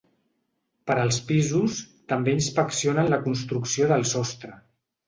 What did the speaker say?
Per als pisos, també inspeccionen la construcció del sostre.